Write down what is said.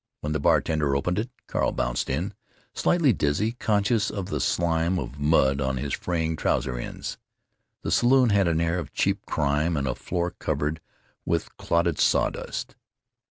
When the bartender opened it Carl bounced in, slightly dizzy, conscious of the slime of mud on his fraying trouser ends. The saloon had an air of cheap crime and a floor covered with clotted sawdust.